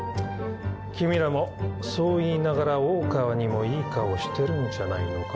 君らもそう言いながら大川にもいい顔してるんじゃないのか？